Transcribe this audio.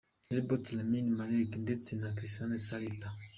Robot ‘ Rami Malek ndetse na Christian Slater.